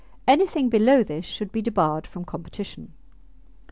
Anything below this should be debarred from competition.